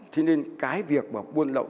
thế nên cái việc mà buôn lậu